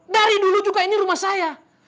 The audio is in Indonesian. dari dulu juga ini rumah saya